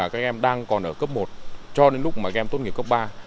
các em đang còn ở cấp một cho đến lúc mà các em tốt nghiệp cấp ba